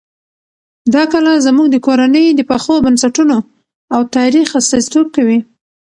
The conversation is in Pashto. دا کلا زموږ د کورنۍ د پخو بنسټونو او تاریخ استازیتوب کوي.